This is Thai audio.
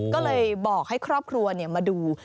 ก็เลยบอกให้ครอบครัวมาดู